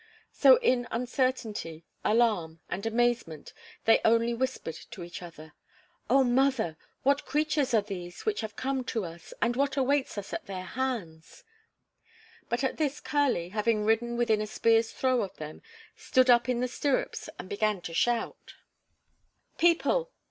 So in uncertainty, alarm, and amazement they only whispered to each other: "Oh, mother! What creatures are these which have come to us, and what awaits us at their hands?" But at this Kali, having ridden within a spear's throw of them, stood up in the stirrups and began to shout: "People!